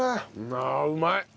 ああうまい！